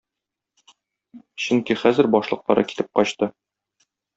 Чөнки хәзер башлыклары китеп качты.